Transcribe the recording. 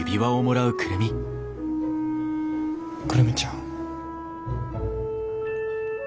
久留美ちゃん。